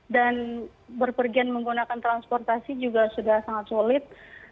dan berpergian menggunakan transportasi juga sudah sangat sulit